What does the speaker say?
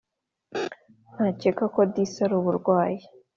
Nkakeka ko disi aruburwayi